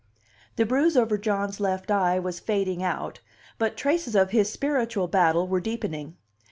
The bruise over John's left eye was fading out, but traces of his spiritual battle were deepening.